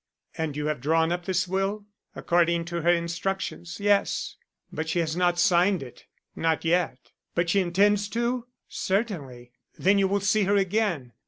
"And you have drawn up this will?" "According to her instructions, yes." "But she has not signed it?" "Not yet." "But she intends to?" "Certainly." "Then you will see her again?"